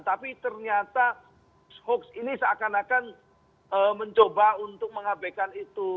tapi ternyata hoax ini seakan akan mencoba untuk mengabekan itu